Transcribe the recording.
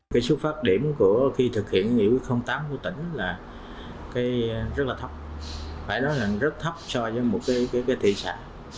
cái xuất phát điểm của khi thực hiện nghị quyết tám của tỉnh là rất là thấp phải nói là rất thấp so với một cái thị xã